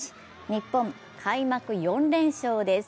日本、開幕４連勝です。